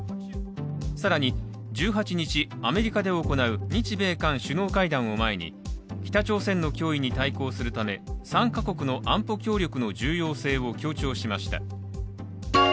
更に、１８日、アメリカで行う日米韓首脳会談を前に北朝鮮の脅威に対抗するため３か国の安保協力の重要性を強調しました。